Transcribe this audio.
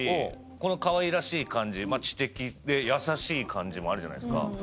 このかわいらしい感じ知的で優しい感じもあるじゃないですか。